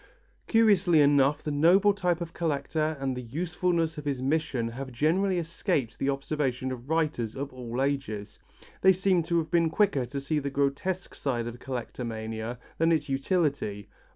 Curiously enough the noble type of collector and the usefulness of his mission have generally escaped the observation of writers of all ages. They seem to have been quicker to see the grotesque side of collectomania than its utility.